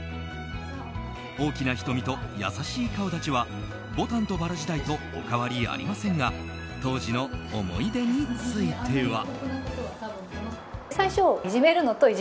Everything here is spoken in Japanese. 大きな瞳と優しい顔立ちは「牡丹と薔薇」時代とお変わりありませんが当時の思い出については。